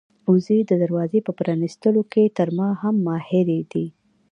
وزې د دروازې په پرانيستلو کې تر ما هم ماهرې دي.